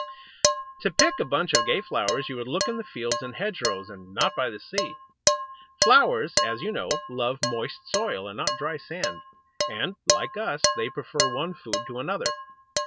To pick a bunch of gay flowers you would look in the fields and hedge rows, and not by the sea. Flowers, as you know, love moist soil, and not dry sand; and, like us, they prefer one food to another.